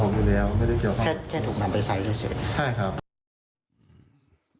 แค่ถูกมาไปใส่ได้เสร็จ